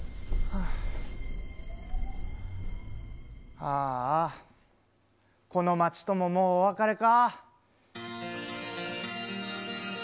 あーあ、この街とももうお別れか。